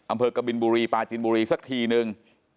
อำเภอกบิลบุรีปาจินบุรีสักทีหนึ่ง